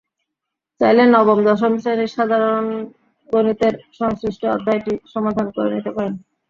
চাইলে নবম-দশম শ্রেণির সাধারণ গণিতের সংশ্লিষ্ট অধ্যায়টি সমাধান করে নিতে পারেন।